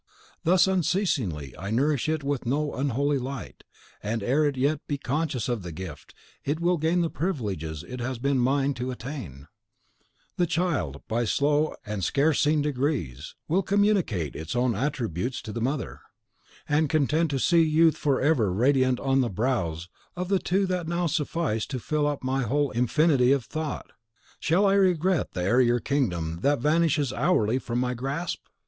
Thus unceasingly I nourish it with no unholy light; and ere it yet be conscious of the gift, it will gain the privileges it has been mine to attain: the child, by slow and scarce seen degrees, will communicate its own attributes to the mother; and content to see Youth forever radiant on the brows of the two that now suffice to fill up my whole infinity of thought, shall I regret the airier kingdom that vanishes hourly from my grasp?